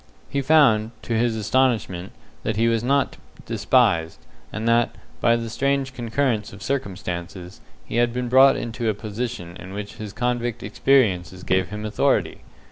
He found, to his astonishment, that he was not despised, and that, by the strange concurrence of circumstances, he had been brought into a position in which his convict experiences gave him authority.